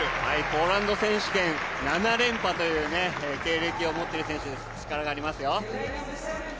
ポーランド選手権７連覇という経歴を持っている選手、力がありますよ．